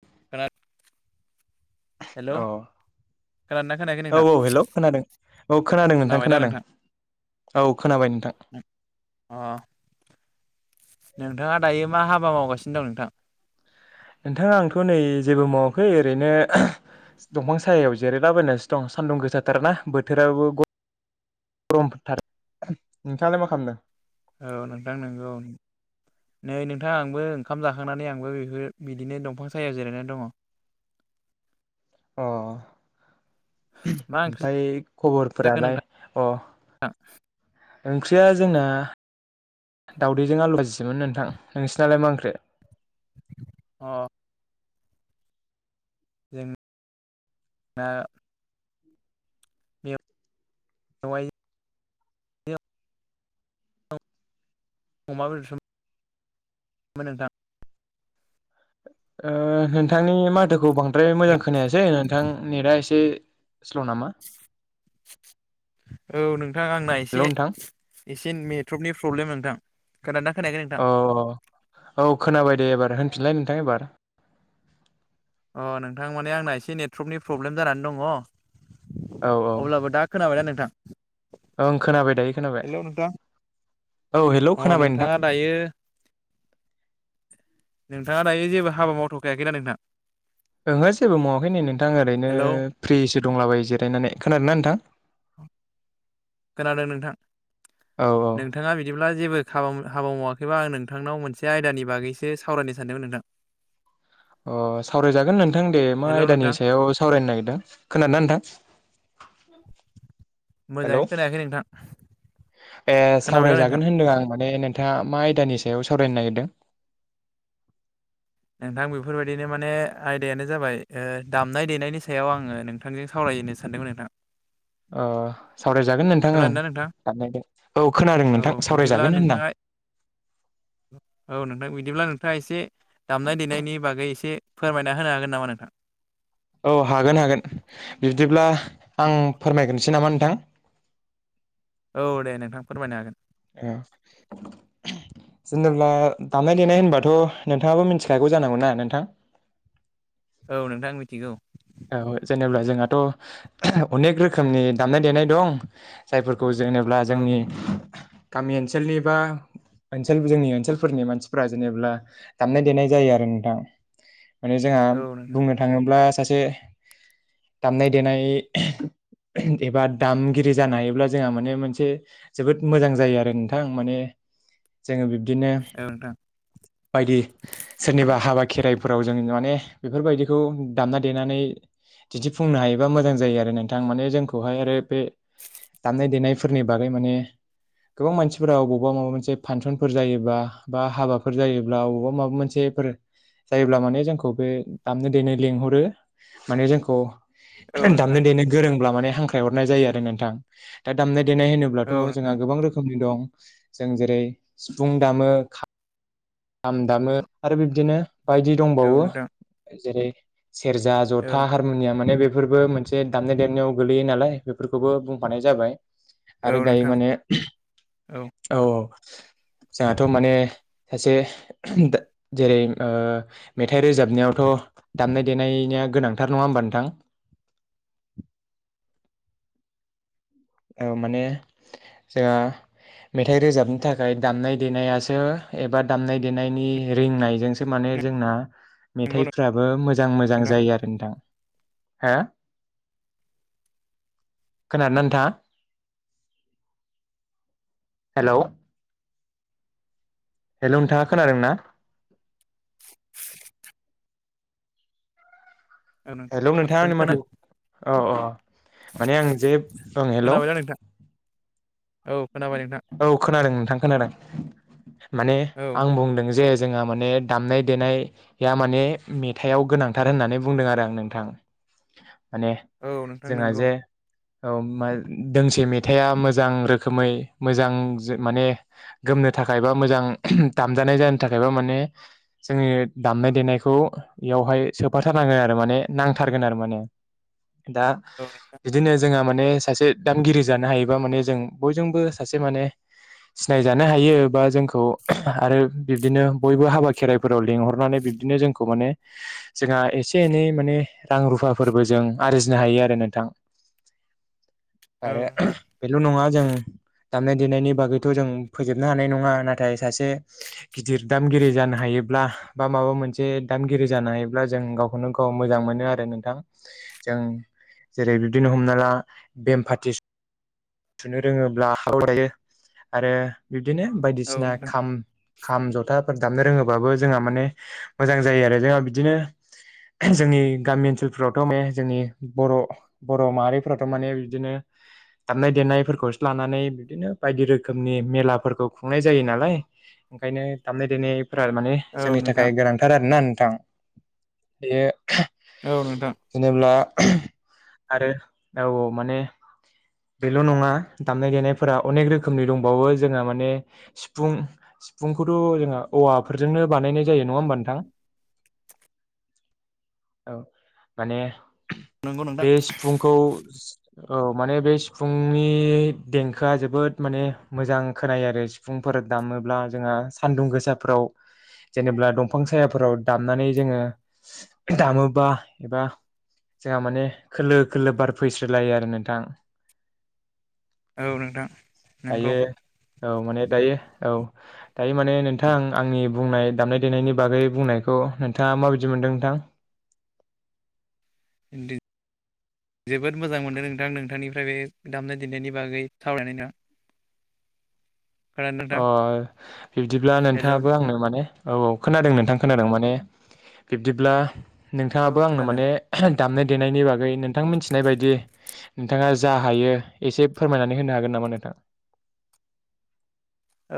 [unintelligible] Hello औ खोनादोंना खोनायाखै औ नोंथां औ हेल' खोनादों औ खोनादों नोंथां खोनादों औ खोनाबाय नोंथां अ नोंथाङा दायो मा हाबा मावगासिनो दं नोंथां नोंथां आंथ' नै जेबो मावाखै ओरैनो दंफां सायायाव जिरायलाबायनासो दं सान्दुं गोसाथार ना बोथोराबो गरम गरम फथार नोंथाङालाय मा खालामदों औ नोंथां नोंगौ औ नै नोंथाङा आंबो ओंखाम जाखांनानै आंबो बेफोर बिदिनो दंफां सायाव जिरायनानै दङ अ मा ओंख्रि ओमफ्राय जाखो खबरफोरालाय नोंथां अ ओंख्रिया जोंना दाउदैजों आलु फाजिसोमोन नोंथां नोंसिनालाय मा ओंख्रि अ जों ना [unintelligible] अमा बेदरसोमोन नोंथां ओ नोंथांनि माथोखौ बांद्राय मोजां खोनायासै नोंथां नेटआ एसे स्ल' नामा औ नोंथां आंना हेलौ एसे नोंथां एसे नेेटवर्कनि प्रब्लेम नोंथां खोनादोंना खोनायाखै नोंथां औ औ औ खोनाबाय दे एबार होनफिनलाय नोंथां एबार अ नोंथां माने आंना एसे नेटवर्कनि प्रब्लेम जानानै दङ औ औ अब्लाबो दा खोनाबाय ना नोंथ [unintelligible] ओं खोनाबाय दायो खोनाबाय औ हेल' अ खोनाबाय नोंथाङा नोंथां दायो नोंथाङा दायो जेबो हाबा मावथ'खायाखैदा नोंथां ओहो जेबो मावाखै नै नोंथां ओरैनो हेलौ फ्रिसो दंलाबायो जिरायनानै खोनादों ना नोंथां खोनादों नोंथां औ औ नोंथाङा बिदिब्ला जेबो खालाम हाबा मावाखैबा आं नोंथांनाव मोनसे आयदानि बागैसो सावरायनो सानदोंमोन नोंथां अ सावरायजागोन नोंथां दे मा हेलौ आयदानि नोंथां सायाव सावरायनो नागिरदों खोनादोंना नोंथां [inaudible] हेलौ मोजाङै खोनायाखै नोंथां ए खोनाबायना नोंथां सावरायजागोन होन्दों आं माने नोंथाङा मा आयदानि सायाव सावरायनो नागिरदों नोंथां बेफोरबायदिनो माने आयदायानो जाबाय दामनाय देनायनि सायाव आङो नोंथांजों सावराय रायज्लायनो होननो सानदोंमोन नोंथां [inaudible] अ सावरायजागोन नोंथां ओं खोनादोंना नोंथां साननायदों औ खोनादों औ नोंथां बिदिब्ला सावरायजागोन होनदां नोंथाङा [unintelligible] औ नोंथां बिदिब्ला नोंथां नोंथाङा एसे दामनाय देनायनि बागै एसे फोरमायना होनो हागोन नामा नोंथां औ हागोन हागोन बिब्दिब्ला आं फोरमायग्रोसै नामा नोंथां [inaudible] औ दे नोंथां फोरमायना औ जेनेब्ला दामनाय देनाय होनबाथ' नोंथाङाबो मिनथिखागौ जानांगौना नोंथां औ नोंथां मिथिगौ औ जेनेब्ला जोंहाथ' अनेक रोखोमनि दामनाय देनाय दं जायफोरखौ जेनेब्ला जोंनि औ गामि ओनसोलनि बा ओनसोल जोंनि ओनसोलफोरनि मानसिफोरा जेनेब्ला दामनाय देनाय जायो आरो नोंथां माने जोंहा औ नोंथां बुंनो थाङोब्ला सासे दामनाय देनाय एबा दामगिरि जानो हायोब्ला जोंहा माने मोनसे जोबोद मोजां जायो आरो नोंथां माने जोङो बिदिनो औ नोंथां बायदि सोरनिबा हाबा खेराइफोराव जों माने बेफोरबायदिखौ दामना देनानै दिन्थिफुंनो हायोबा मोजां जायो आरो नोंथां माने जोंखौहाय आरो बे दामनाय देनायफोरनि बागै माने गोबां मानसिफोरा अबावबा माबा मोनसे फांसनफोर जायोबा बा बा हाबाफोर जायोब्ला अबावबा माबा मोनसेफोर जायोब्ला माने जोंखौ बे दामनो देनो लेंंहरो माने जोंखौ औ नोंथां दामनो देनो गोरोंब्ला माने हांख्राय हरनाय जायो आरो नोंथां दा दामनो दामनाय देनाय औ होनोब्लाथ' जोंहा नोंथां गोबां रोखोमनि दं जों जेरै सिफुं दामो खाम दामो आरो बिब्दिनो बायदि औ दंबावो नोंथां जेरै सेरजा औ जथा हारमुनियाम माने बे बेफोरबो मोनसे दामनाय देनायाव गोल्लैयो नालाय बेफोरखौबो बुंफानाय जाबाय औ आरो दायो नोंथां माने औ औ जोंहाथ माने सासे जेरै ओ मेथाइ रोजाबनायावथ दामनाय देनाया गोनांथार नङा होमबा नोंथां? औ माने जोंहा मेथाइ रोजाबनो थाखाय दामनाय देनायासो एबा दामनाय देनायनि रोंनायजोंसो माने जोंना नंगौ मेथाइफ्राबो मोजां मोजां नोंथां जायो आरो नोंथां हा खोनादों नोंथां? हेलौ हेल' नोंथाङा खोनादों ना औ नोंथां हेलौ औ नोंथाङानि खोना माथो औ अ माने आं जे ओं हेल खोनाबायना नोंथां औ खोनाबाय नोंथां औ खोनादों नोंथां खोनादों माने औ आं बुंदों जे। जोंहा माने दामनाय देनाया माने मेथाइाव गोनांथार होननानै बुंदों आरो आं नोंथां माने औ नोंथां जोंहा नंगौ जे औ [unintelligible] दोंसे मेथाइआ मोजां रोम रोखोमै मोजां माने गोमनो थाखाय बा मोजां दामजानाय जानो थाखायबा माने ओ जोंनि दामनाय देनायखौ बेयावहाय सोफाथारनांगोन आरो माने नांथारगोन आरो माने। दा औ बिदिनो जोंहा माने सासे दामगिरि जानो हायोबा माने जों। बयजोंबो सासे माने सिनाय जानो हायो बा जोंखौ आरो बिबदिनो बयबो हाबा खेराइफोर रल लिंहरनानै बिब्दिनो जोंखौ माने जोंहा एसे एनै माने रां रुफाफोरबो जों आरजिनो हायो आरो नोंथां। औ आरो नोंथां बेल नङा दामनाय-देनायनि बागैथ जों फोजोबनो हानाय नङा नाथाय सासे गिदिर दामगिरि जानो हायो ब्ला बा माबा मोनसे दामगिरि जानो हायोब्ला जों गावखौनो गाव मोजां मोनो आरो नोंथां। जों जेरै बिब्दिनो हमना ला बेमफारटि थुनो रोङोब्ला [unintelligible] हायो आरो बिबदिनो औ बायदिसिना नोंथां खाम खाम, जथाफोर दामनो रोङोबाबो जोंहा माने मोजां जायो आरो जोंहा बिदिनो जोंनि गामि ओनसोलफोरावथ माने जोंनि बर' बर' माहारिफोराथ माने बिदिनो दामनाय-देनायफोरखौसो लानानै बिदिनो बायदि रोखोमनि मेलाफोरखौ खुंनाय जायो नालाय ओंखायनो दामनाय-देनाय फ्रा माने औ जोंनि नोंथां थाखाय गोनांथार आरोना नोंथां। बेयो औ नोथां आरो औ माने बेल नङा। दामनाय-देनायफोरा अनेक रोखोमनि दंबावो जोंहा माने सिफुं सिफुंखौथ' जोंहा औवाफोरजोंनो बानायनाय जायो नङा होमबा नोंथां। औ माने नंगौ नोंथां बे सिफुंखौ औ माने बे सिफुंनि ए देंखोया जोबोद माने मोजां खोनायो आरो सिफुंफोर दामोब्ला जोंहा सानदुं गोसाफ्राव जेनेबा दंफां सायाफोराव दामनानै जोङो दामोबा एबा जोंहा माने खोलो खोलो बार फैस्रो लायो आरो नोंथां। औ नोंथां नंगौ दायो औ माने दायो औ दायो माने नोंथां आंनि बुंनाय दामनाय-देनायनि बागै बुंनायखौ नोंथाङा मा बायदि मोनदों नोंथां। इन्दि जोबोद मोजां मोनदों नोंथां नोंथांनिफ्राय बे दामनाय देनायनि बागै सावरायनाय ना अ बिदिब्ला हेल' नोंथाङाबो आंनो माने औ औ खोनादों नोंथां खोनादों माने बिब्दिब्ला औ नोंथाङाबो आंनो खोनादों माने दामनाय देनायनि बागै नोंथां मिथिनाय बायदि नोंथाङा जा हायो एसे फोरमायनानै होनो हागोन नामा नोंथाङा?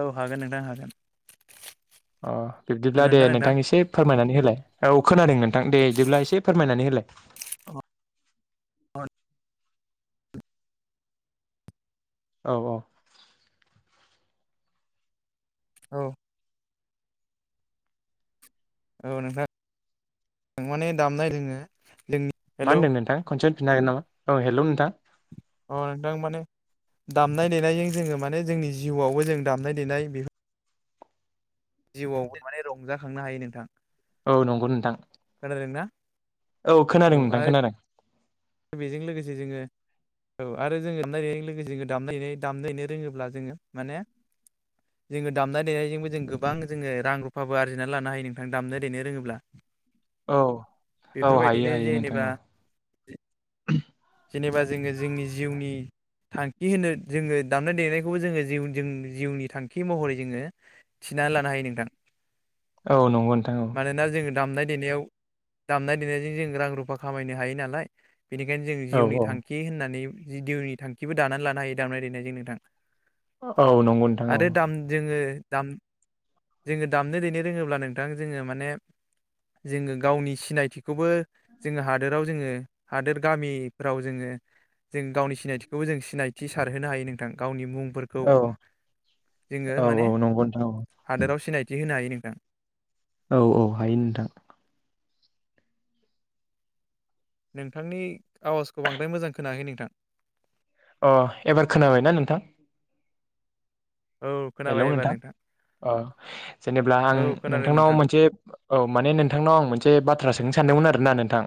औ हागोन नोंथां हागोन। अ बिब्दिब्ला दे नोंथां एसे फोरमायनानै होलाय औ खोनादों नोंथां दे बिदिब्ला एसे फोरमायनानै होलाय। औ औ औ। औ औ नोंथां माने दामनाय रोङो। मा होनदों नोंथां खनसेनो फिननो हागोन नामा औ हेल नोंथां। अ नोंथां माने दामनाय-देनायजों जोङो माने जोंनि जिउआवबो जों दामनाय देनाय बेफोर जिउयाव माने रंजाखांनो हायो नोंथां। औ नंगौ नोंथां खोनादोंना औ खोनादों नोंथां खोनादों बेजों लोगोसे जोङो। औ आरो जोङो नायनायजों लोगोसे दाम दामनायनो रोङोब्ला जोङो माने जोङो दामनाय देनायजोंबो जों गोबां जोङो रां रुफाबो आरजिनानै लानो हायो नोंथां दामनाय देनो रोङोब्ला औ औ बेफोरबायदिनो हायो हायो नोंथां जेनेबा औ जेनेबा जोङो जोंनि जिउनि थांखि होनो जोङो दामनाय-देनायखौ जोङो जि जों जिउनि थांखि महरै जोङो थि नानै लानो हायो नोंथां। औ नंगौ नोंथां औ। दामनाय-देनायाव दामनाय देनायजों जों रां रुफा खामायनो हायो नालाय बेनिखायनो जों जिउनि औ थांखि होननानै जि जिउनि थांखिबो दानानै लानो हायो दामनाय देनायजों नोंथां। औ औ नंगौ नोंथां औ आरो दाम जोङो दाम जोङो दामनो देनो रोङोब्ला नोंथां जोङो माने जोङो गावनि सिनायथिखौबो जोङो हादोराव जोङो हादोर गामिफ्राव जोङो जों गावनि सिनायथिखौबो जों सिनायथि सारहोनो हायो नोंथां गावनि मुं फोरखौ औ जोङो औ माने औ नंगौ नोंथां हादोराव सिनायथि होनो हायो नोंथां। औ औ हायो नोंथां नोंथांनि आवाजखौ बांद्राय मोजां खोनायाखै नोंथां। अ एबार खोनाबायना नोंथां खोनाबायबा एबार नोंथां औ जेनेब्ला आं औ खोनादों नोंथांनाव नोंथां मोनसे औ माने नोंथांनाव आं मोनसे बाथ्रा सोंनो सानदोंमोन आरोना नोंथां।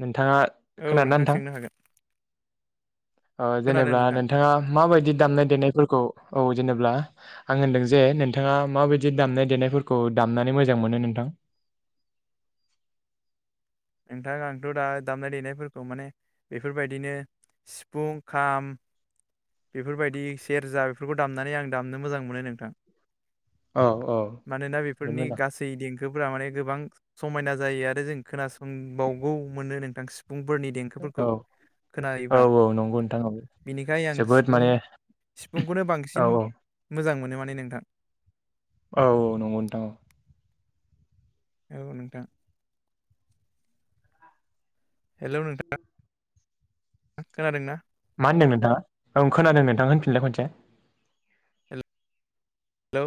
नोंथाङा औ खोनादों नोंथां? सोंनो हागोन ओ खोनादों जेनेब्ला नोंथां नोंथाङा माबायदि दामनाय देनायफोरखौ औ जेनेब्ला आं होनदों जे नोंथाङा माबायदि दामनाय देनायफोरखौ दामनानै मोजां मोनो नोंथां? [unintelligible] नोंथाङा आंथ दा दामनाय देनायफोरखौ माने बेफोर बायदिनो सिफुं खाम बेफोरबायदि सेरजा बेफोरखौ दामनानै आं दामनो मोजां मोनो नोंथां। औ औ मानोना जोबोद बेफोरनि मोजां गासै देंखो फोरा माने गोबां समायना जायो आरो जों खोनासंबावगौ मोननो नोंथांसि फुंफोरनि देंखोफोरखौ औ औ खोनायोबा औ नंगौ नोंथां औ बिनिखाय आं जोबोद सिफुं माने सिफुंखौनो औ बांसिन मोजां मोनो माने नोंथां औ औ नंगौ नोंथां औ औ नोंथां हेलौ नोंथां खोनादोंना? मा होनदों नोंथाङा औ खोनादों नोंथां होनफिनलाय खनसे? हेलौ।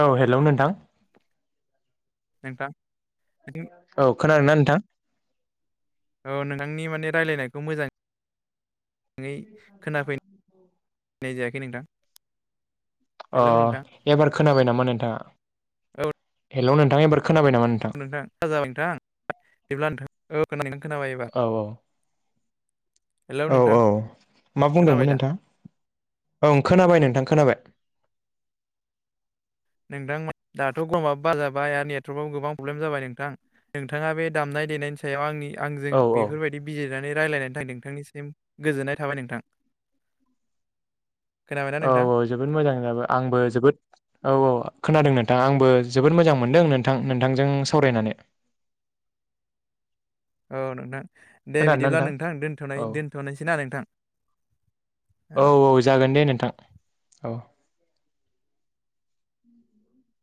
औ हेलौ नोंथां। नोंथां [unintelligible] औ खोनादोंना नोंथां? औ नोंथांनि माने रायजलायनायखौ मोजां। ङै खोनाफैनाय जायाखै नोंथां अ हेलौ नोंथां एबार खोनाबाय नामा नोंथाङा औ हेलौ नोंथां एबार। खोनाबाय नामा नोंथां जाबाय नोंथां बिदिब्ला नोंथां औ खोनादों नोंथां औ औ। हेलौ औ नोंथां औ मा खोनाबाय बुंदोंमोन दा नोंथां औ खोनाबाय नोंथां। खोनाबाय नोंथां दाथ गरमाबो बार जाबाय आरो नेथवर्कआबो गोबां प्रब्लेम जाबाय नोंथां नोंथाङा बे दामनाय नाय देनायनि सायाव आंनि आंजों औ औ बेफोरबायदि बिजिरनानै रायलायनायनि थाखाय नोंथांनिसिम गोजोननाय थाबाय नोंथां। खोनाबायना औ नोंथां औ जोबोद मोजां जाबाय आंबो जोबोद औ औ खोनादों नोंथां आंबो जोबोद मोजां मोनदों नोंथां नोंथांजों सावरायनानै औ नोंथां दे बिदिब्ला नोंथां औ दोनथनाय दोन्थनोसै ना नोंथां? औ औ जागोन दे नोंथां औ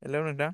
हेलौ नोंथां